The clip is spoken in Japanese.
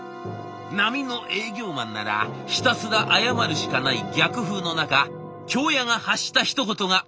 並みの営業マンならひたすら謝るしかない逆風の中京谷が発したひと言が。